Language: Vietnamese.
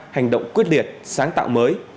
hành động quyết liệt sáng tạo mới